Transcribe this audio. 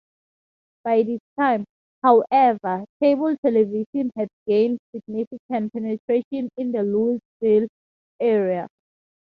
By this time, however, cable television had gained significant penetration in the Louisville area.